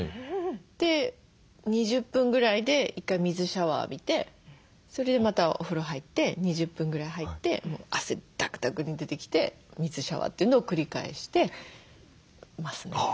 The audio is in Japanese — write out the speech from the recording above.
で２０分ぐらいで１回水シャワー浴びてそれでまたお風呂入って２０分ぐらい入って汗だくだくに出てきて水シャワーっていうのを繰り返してますね。